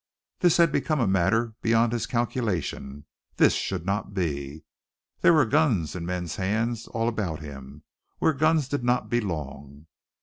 This had become a matter beyond his calculation; this should not be. There were guns in men's hands all about him where guns did not belong.